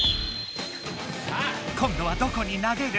今度はどこに投げる？